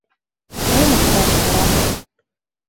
— Мом ышташ вара?